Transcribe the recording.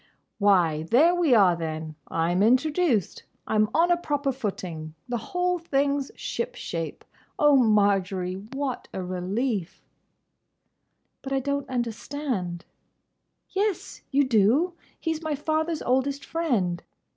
"Why, there we are then! I'm introduced! I'm on a proper footing! The whole thing's ship shape! O Marjory, what a relief!" "But I don't understand—" "Yes, you do. He 's my father's oldest friend.